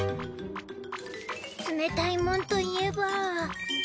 冷たいもんといえば。